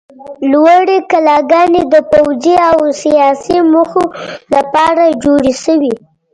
لوړې کلاګانې د پوځي او سیاسي موخو لپاره جوړې شوې.